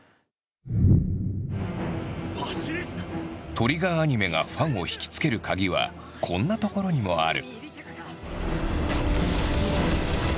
ＴＲＩＧＧＥＲアニメがファンを惹きつけるカギはこんなところにもある。